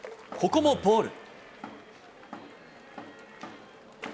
ここもボール。